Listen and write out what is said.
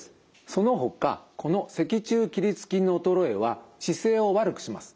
そのほかこの脊柱起立筋の衰えは姿勢を悪くします。